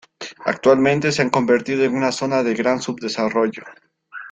Actualmente se ha convertido en una zona de gran subdesarrollo.